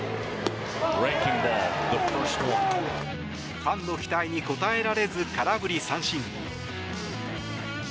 ファンの期待に応えられず空振り三振。